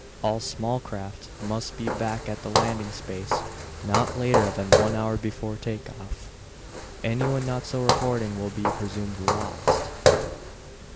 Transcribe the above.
All small craft must be back at the landing space not later than one hour before take off. Anyone not so reporting will be presumed lost."